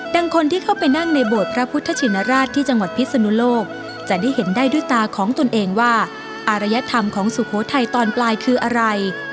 คนที่เข้าไปนั่งในโบสถ์พระพุทธชินราชที่จังหวัดพิศนุโลกจะได้เห็นได้ด้วยตาของตนเองว่าอารยธรรมของสุโขทัยตอนปลายคืออะไร